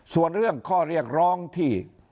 ส่วนเรื่องข้อเรียกร้องที่